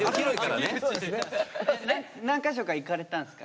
何か所か行かれたんですか？